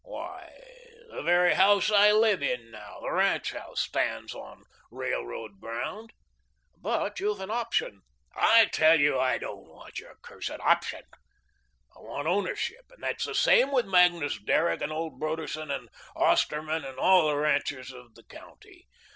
Why, the very house I live in now the ranch house stands on railroad ground." "But, you've an option" "I tell you I don't want your cursed option. I want ownership; and it's the same with Magnus Derrick and old Broderson and Osterman and all the ranchers of the county.